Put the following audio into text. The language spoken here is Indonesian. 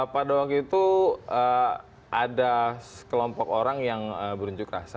pada waktu itu ada kelompok orang yang beruncuk rasa ya